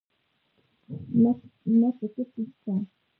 نه ټکټ شته